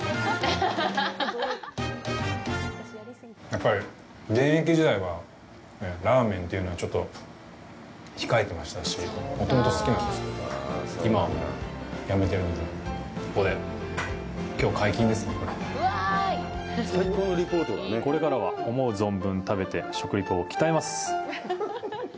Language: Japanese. やっぱり、現役時代は、ラーメンというのはちょっと控えてましたし、もともと好きなんですけど、今はもうやめてるので、ここでこれからは、思う存分食べて食リポを鍛えます！